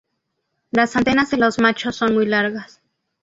Las antenas de los machos son muy largas.